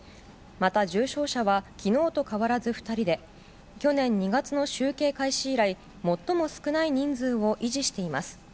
また重症者は昨日と変わらず２人で去年２月の集計開始以来最も少ない人数を維持しています。